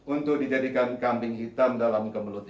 untuk dijadikan kambing hitam dalam kemelut